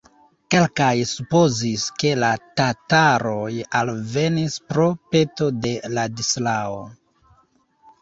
Kelkaj supozis, ke la tataroj alvenis pro peto de Ladislao.